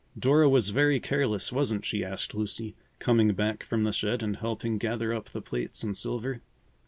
"Dora was very careless, wasn't she?" asked Lucy, coming back from the shed and helping gather up the plates and silver.